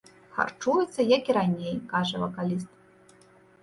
Харчуецца як і раней, кажа вакаліст.